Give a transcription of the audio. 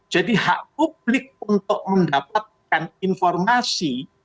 jadi hak publik untuk mendapatkan informasi